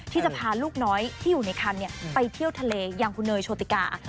ที่จะพาลูกน้อยที่อยู่ในคันไปเที่ยวทะเลอย่างคุณเนยโชติกา